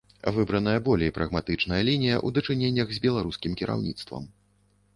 Выбраная болей прагматычная лінія ў дачыненнях з беларускім кіраўніцтвам.